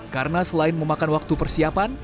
karena selain memakan waktu persiapan